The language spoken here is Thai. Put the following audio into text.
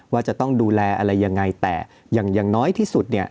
ว่าจะต้องดูแลอะไรยังไงแต่อย่างน้อยที่สุดเนี่ย